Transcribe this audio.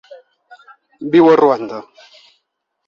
Viu a Ruanda.